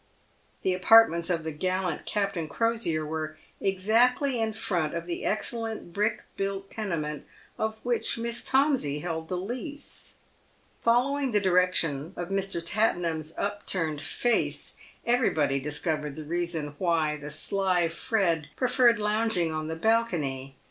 The apartments of the gallant Captain Crosier were exactly in front of the excellent hrick huilt tenement of which Miss Tomsey held the lease. Following the direction of Mr. Tattenham's up turned face, everybody discovered the reason why the sly Fred preferred lounging on the balcony.